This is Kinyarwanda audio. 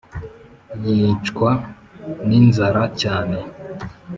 rwicwa n'inzara cyane